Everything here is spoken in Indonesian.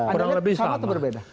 kurang lebih sama